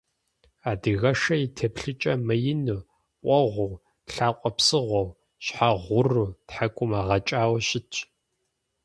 Адыгэшыр и теплъэкӀэ мыину, къуэгъуу, лъакъуэ псыгъуэу, щхьэ гъуру, тхьэкӀумэ гъэкӀауэ щытщ.